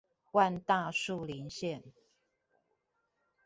萬大樹林線